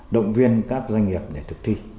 động viên các doanh nghiệp để thực thi